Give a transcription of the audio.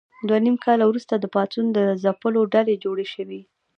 دوه نیم کاله وروسته د پاڅون د ځپلو ډلې جوړې شوې.